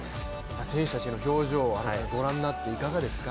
選手たいの表情をご覧になっていかがですか？